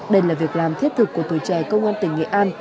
đây là việc làm thiết thực của tuổi trẻ công an tỉnh nghệ an